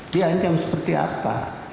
diancam seperti apa